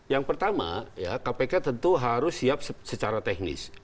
yang pertama ya kpk tentu harus siap secara teknis